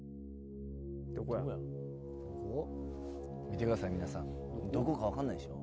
見てください皆さんどこか分かんないでしょ？